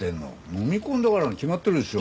のみ込んだからに決まってるでしょ。